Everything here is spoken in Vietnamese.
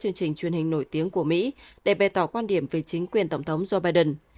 chương trình truyền hình nổi tiếng của mỹ để bày tỏ quan điểm về chính quyền tổng thống joe biden